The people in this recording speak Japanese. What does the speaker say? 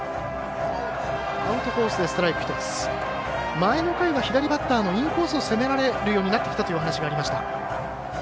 前の回は左バッターのインコースを攻められるようになってきたというお話がありました。